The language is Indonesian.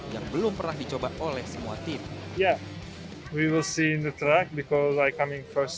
yang belum pernah dicoba oleh semua tim